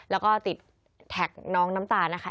แล้วก็ติดแท็กน้องน้ำตาลนะคะ